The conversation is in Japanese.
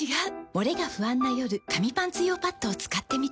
モレが不安な夜紙パンツ用パッドを使ってみた。